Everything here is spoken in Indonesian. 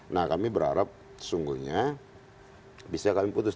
nah kami berharap sesungguhnya bisa kami putus